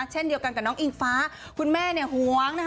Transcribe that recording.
เช่นเดียวกันกับน้องอิงฟ้าคุณแม่เนี่ยหวงนะคะ